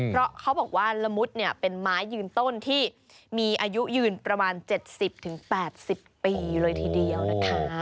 เพราะเขาบอกว่าละมุดเนี่ยเป็นไม้ยืนต้นที่มีอายุยืนประมาณ๗๐๘๐ปีเลยทีเดียวนะคะ